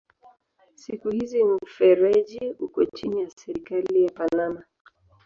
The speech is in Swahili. Siku hizi mfereji uko chini ya serikali ya Panama.